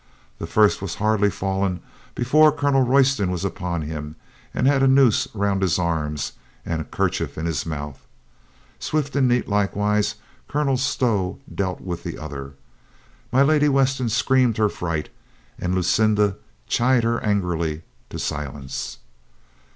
The first was hardly fallen before Colonel 94 COLONEL GREATHEART Royston was upon him and had a noose round his arms and a kerchief in his mouth. Swift and neat likewise Colonel Stow dealt with the other. My Lady Weston screamed her fright, and Lucinda chid her angrily to silence.